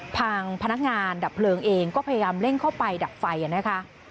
ทางพนักงานดับเพลิงเองก็พยายามเร่งเข้าไปดับไฟนะคะ